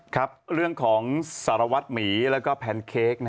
ครับเรื่องของสารวัตรหมีแล้วก็แพนเค้ก